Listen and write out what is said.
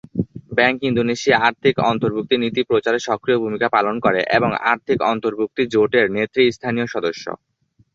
Bank Indonesia আর্থিক অন্তর্ভুক্তি নীতি প্রচারে সক্রিয় ভূমিকা পালন করে এবং আর্থিক অন্তর্ভুক্তি জোটের নেতৃস্থানীয় সদস্য।